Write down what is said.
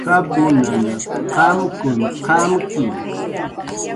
Jawunhan qamkun qamki